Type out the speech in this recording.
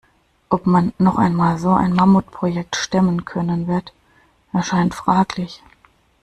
Ob man noch einmal so ein Mammutprojekt stemmen können wird, erscheint fraglich.